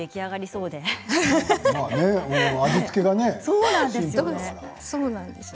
そうなんですよね。